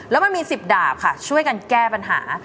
แล้วมันมี๑๐ดาบค่ะช่วยกันแก้ปัญหา